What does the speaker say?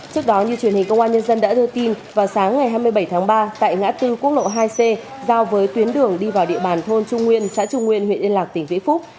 trước đó như truyền hình công an nhân dân đã đưa tin vào sáng ngày hai mươi bảy tháng ba tại ngã tư quốc lộ hai c giao với tuyến đường đi vào địa bàn thôn trung nguyên xã trung nguyên huyện yên lạc tỉnh vĩnh phúc